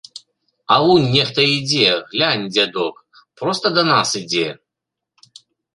А вунь нехта ідзе, глянь, дзядок, проста да нас ідзе!